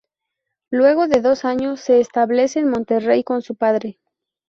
Luego de dos años, se establece en Monterrey con su padre.